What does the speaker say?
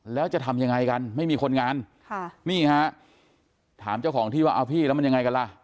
แล้วจะทำยังไงกันไม่มีคนงานค่ะนี่ฮะถามเจ้าของที่ว่าเอาพี่แล้วมันยังไงกันล่ะ